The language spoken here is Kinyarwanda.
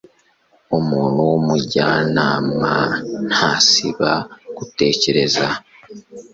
umuntu w'umujyanama ntasiba gutekereza